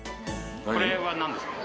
これはなんですか？